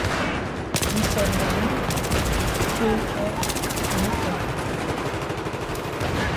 Wî ser mezinî, kêke hemî xwar